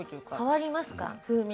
変わりますか風味が？